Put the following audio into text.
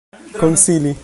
konsili